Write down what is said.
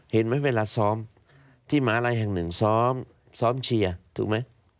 เห็นไหมเวลาซ้อมที่หมาลัยแห่งหนึ่งซ้อมซ้อมเชียร์ถูกไหม